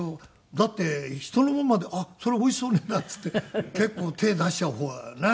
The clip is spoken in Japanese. だって人のものまで「あっそれおいしそうだな」って言って結構手出しちゃう方ねえ。